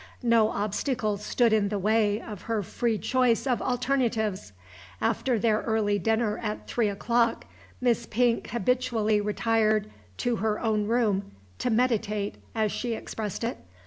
No obstacle stood in the way of her free choice of alternatives. After their early dinner at three o'clock, Miss Pink habitually retired to her own room "to meditate," as she expressed it.